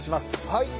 はい。